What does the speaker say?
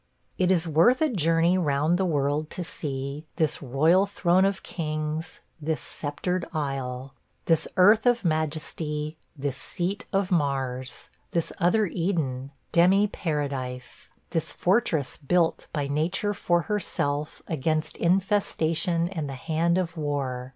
... It is worth a journey round the world to see – "This royal throne of kings, this sceptred isle, This earth of majesty, this seat of Mars, This other Eden, demi paradise; This fortress built by nature for herself Against infestion and the hand of war.